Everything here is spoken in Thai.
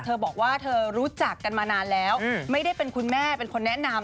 เธอบอกว่าเธอรู้จักกันมานานแล้วไม่ได้เป็นคุณแม่เป็นคนแนะนำ